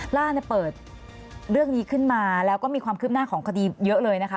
ล่าสุดเปิดเรื่องนี้ขึ้นมาแล้วก็มีความคืบหน้าของคดีเยอะเลยนะคะ